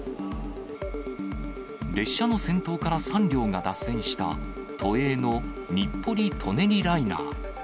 列車の先頭から３両が脱線した、都営の日暮里・舎人ライナー。